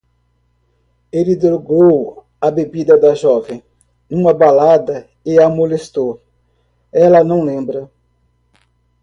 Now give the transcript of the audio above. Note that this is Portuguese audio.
Ele drogou a bebida da jovem numa balada e a molestou. Ela não lembra